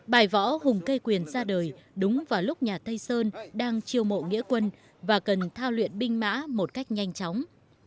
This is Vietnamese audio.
bài võ hùng cây quyền ra đời đúng vào lúc nhà tây sơn đang chiêu mộ nghĩa quân và cần thao luyện binh mã một cách nhanh chóng